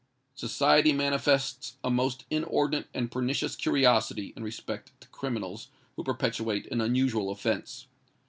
Society manifests a most inordinate and pernicious curiosity in respect to criminals who perpetrate an unusual offence.